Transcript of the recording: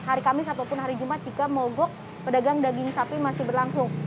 hari kamis ataupun hari jumat jika mogok pedagang daging sapi masih berlangsung